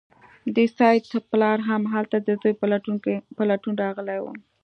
د سید پلار هم هلته د زوی په لټون راغلی و.